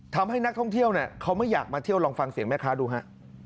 ทำให้นักท่องเที่ยวเนี่ยเขาไม่อยากมาเที่ยวลองฟังเสียงแม่ค้าดูฮะ